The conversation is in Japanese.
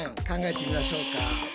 考えてみましょうか。